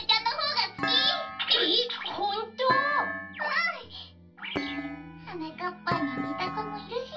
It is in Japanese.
うん！はなかっぱんににたこもいるし。